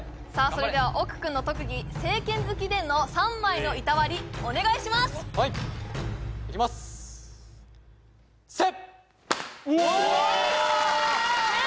それでは奥君の特技正拳突きでの３枚の板割りお願いしますいきますせいっ！